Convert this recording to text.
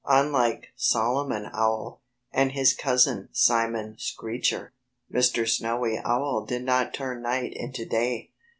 Unlike Solomon Owl, and his cousin Simon Screecher, Mr. Snowy Owl did not turn night into day.